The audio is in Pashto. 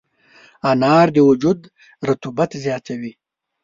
انار د وجود رطوبت زیاتوي.